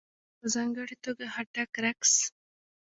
په ځانګړې توګه ..خټک رقص..